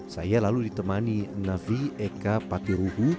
saya lalu ditemani navi eka patiruhu